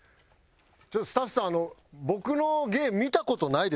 スタッフさん僕の芸見た事ないですか？